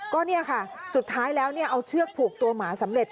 ก็เนี่ยค่ะสุดท้ายแล้วเอาเชือกผูกตัวหมาสำเร็จ